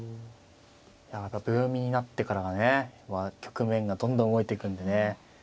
いや何か秒読みになってからがね局面がどんどん動いていくんでね。